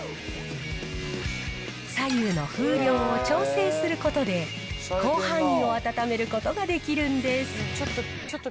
左右の風量を調整することで、広範囲を温めることができるんです。